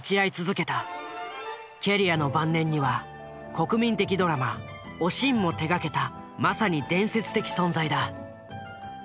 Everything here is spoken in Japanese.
キャリアの晩年には国民的ドラマ「おしん」も手がけたまさに伝説的存在だ。